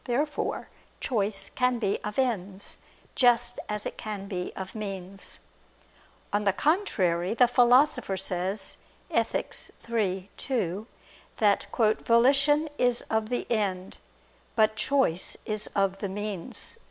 Therefore choice can be of ends, just as it can be of means. On the contrary, The Philosopher says (Ethic. iii, 2) that "volition is of the end, but choice of the means."